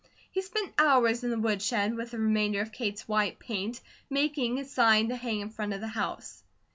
He spent hours in the woodshed with the remainder of Kate's white paint, making a sign to hang in front of the house.